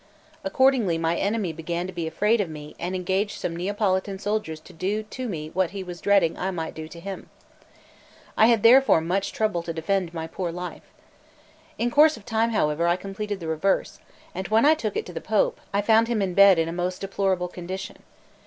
Accordingly my enemy began to be afraid of me, and engaged some Neapolitan soldiers to do to me what he was dreading I might do to him. I had therefore much trouble to defend my poor life. In course of time, however, I completed the reverse; and when I took it to the Pope, I found him in bed in a most deplorable condition.